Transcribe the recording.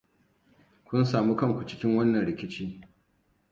Kun sami kanku cikin wannan rikici.